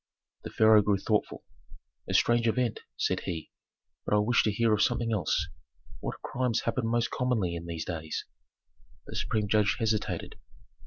The pharaoh grew thoughtful. "A strange event," said he, "but I wish to hear of something else. What crimes happen most commonly in these days?" The supreme judge hesitated.